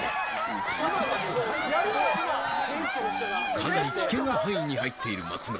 かなり危険な範囲に入っている松村。